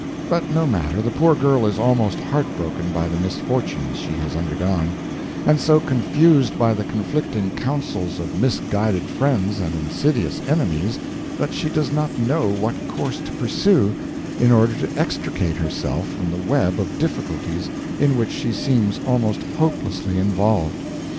But no matter, the poor girl is almost heartbroken by the misfortunes she has undergone, and so confused by the conflicting counsels of misguided friends and insidious enemies that she does not know what course to pursue in order to extricate herself from the web of difficulties in which she seems almost hopelessly involved.